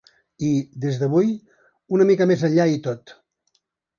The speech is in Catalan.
I, des d’avui, una mica més enllà i tot.